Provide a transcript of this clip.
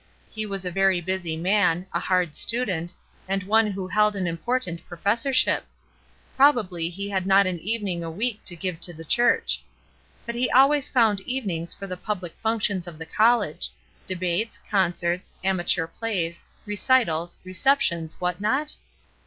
He was a very busy man, a hard student, and one who held an important professorship; probably he had not an evening a week to give to the church. But he always found evenings for the pubUc functions of the college : "WOULDNT YOU?" 273 debates, concerts, amateur plays, recitals, re ceptions, what not?